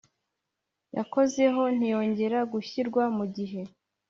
Yakozeho ntiyongera gushyirwa mu gihe